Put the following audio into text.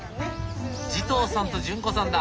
慈瞳さんと潤子さんだ。